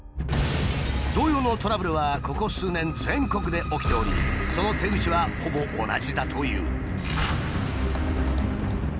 同様のトラブルはここ数年全国で起きておりその手口はほぼ同じだという。